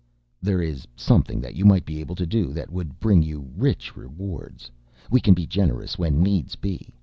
"... There is something that you might be able to do that would bring you rich rewards. We can be generous when needs be.